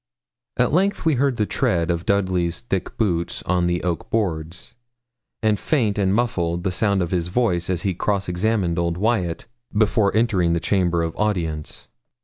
At length we heard the tread of Dudley's thick boots on the oak boards, and faint and muffled the sound of his voice as he cross examined old Wyat before entering the chamber of audience.